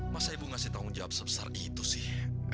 masa ibu memberi tanggung jawab sebesar itu sih